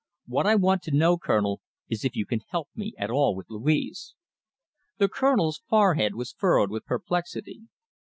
What I want to know, Colonel, is if you can help me at all with Louise." The Colonel's forehead was furrowed with perplexity.